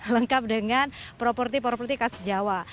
lengkap dengan properti properti khas jawa